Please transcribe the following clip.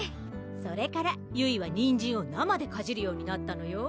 それからゆいはにんじんを生でかじるようになったのよ